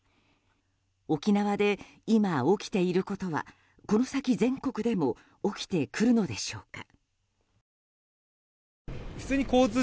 沖縄で今、起きていることはこの先、全国でも起きてくるのでしょうか。